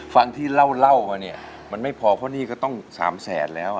ฟังที่เล่ามานี่มันไม่พอเพราะนี่ก็ต้อง๓๐๐๐๐๐บาทแล้ว